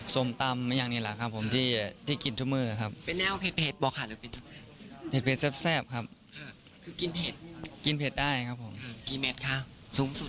ส้มตำมาอย่างนี้แหละครับผมที่กินทุกมือครับเป็นแนวเผ็ดบอกค่ะหรือเป็นเผ็ดแซ่บครับคือกินเผ็ดกินเผ็ดได้ครับผมกี่เม็ดคะสูงสุด